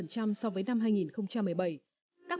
các mặt khác